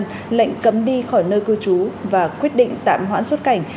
cơ quan công an lệnh cấm đi khỏi nơi cư trú và quyết định tạm hoãn xuất cảnh